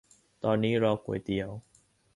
ตอนนี้รอก๋วยเตี๋ยว